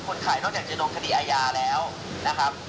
ขายนอกจากจะโดนคดีอาญาแล้วนะครับ